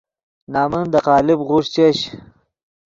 نَمن دے قالب غوݰ چش